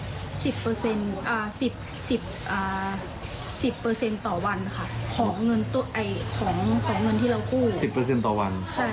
๑๐เปอร์เซ็นต์อ่า๑๐เปอร์เซ็นต์ต่อวันค่ะของเงินที่เราคู่